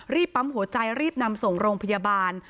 ปั๊มหัวใจรีบนำส่งโรงพยาบาล